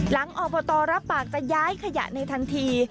อบตรับปากจะย้ายขยะในทันที